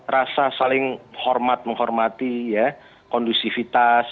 rasa saling hormat menghormati kondusivitas